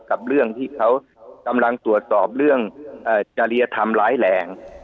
กับเรื่องที่เขากำลังตรวจสอบเรื่องจริยธรรมร้ายแรง